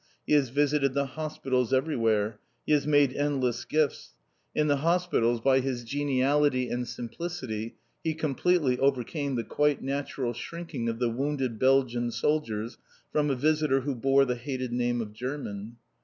He has visited the hospitals everywhere. He has made endless gifts. In the hospitals, by his geniality and simplicity he completely overcame the quite natural shrinking of the wounded Belgian soldiers from a visitor who bore the hated name of German."